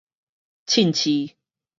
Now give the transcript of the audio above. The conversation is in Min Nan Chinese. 凊市